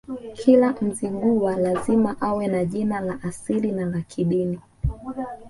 Kila Mzigua lazima awe na jina la asili na la kidini